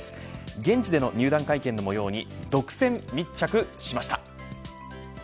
現地での入団会見の模様に独占密着しました。